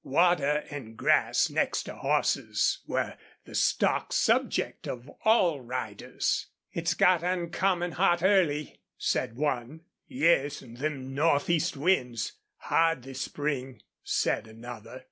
Water and grass, next to horses, were the stock subject of all riders. "It's got oncommon hot early," said one. "Yes, an' them northeast winds hard this spring," said another.